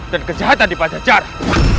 dan kejahatan di panjang jalan